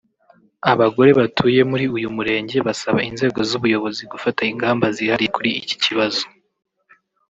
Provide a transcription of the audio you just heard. Abagore batuye muri uyu Murenge basaba inzego z’ubuyobozi gufata ingamba zihariye kuri iki kibazo